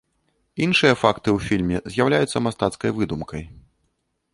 Іншыя факты ў фільме з'яўляюцца мастацкай выдумкай.